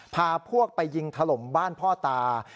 พาพวกไปยิงถล่มบ้านพ่อตา